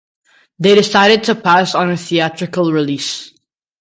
They decided to pass on a theatrical release.